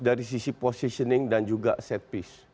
dari sisi positioning dan juga set piece